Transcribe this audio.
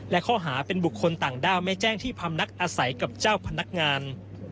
และข้อหาเป็นบุคคลต่างด้าวไม่แจ้งที่พำนักอาศัยกับเจ้าพนักงาน